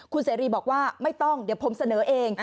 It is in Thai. คุณเสรีบอกว่าไม่ต้องเดี๋ยวผมเสนอเอง